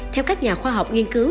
theo các nhà khoa học nghiên cứu